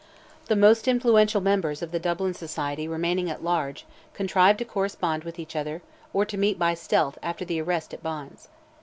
The most influential members of the Dublin Society remaining at large contrived to correspond with each other, or to meet by stealth after the arrest at Bond's.